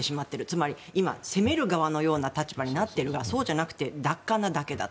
つまり今、攻める側のような立場になっているがそうじゃなくて奪還なだけだ。